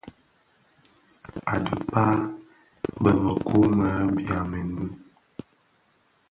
A dhikpaa, bi mëku më byamèn bi.